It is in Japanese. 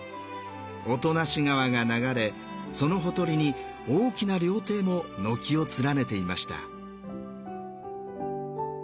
音無川が流れそのほとりに大きな料亭も軒を連ねていました。